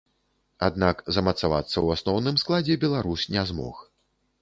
Аднак замацавацца ў асноўным складзе беларус не змог.